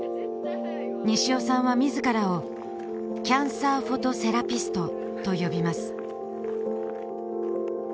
西尾さんは自らをキャンサーフォトセラピストと呼びます